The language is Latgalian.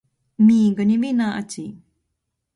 Mīga nivīnā acī.